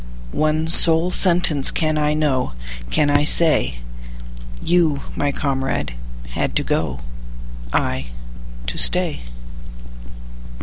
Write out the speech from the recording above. One sole sentence can I know, Can I say:You, my comrade, had to go,I to stay.